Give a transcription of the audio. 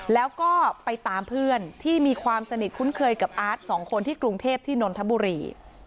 แล้วก็ไปตามเพื่อนที่มีความสนิทคุ้นเคยกับอาร์ตสองคนที่กรุงเทพที่นนทบุรี